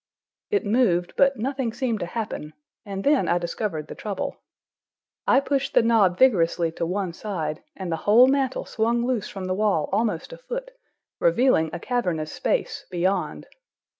It moved, but nothing seemed to happen, and then I discovered the trouble. I pushed the knob vigorously to one side, and the whole mantel swung loose from the wall almost a foot, revealing a cavernous space beyond.